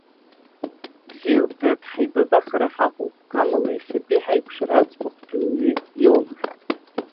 Бзиоуп, дад, ҳаибабахара ҳаҟоуп, амала иахьатәи ҳаиқәшәара аӡбахәгьы уаҩы иоумҳәан.